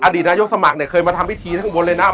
ดีตนายกสมัครเนี่ยเคยมาทำพิธีทั้งบนเลยนะ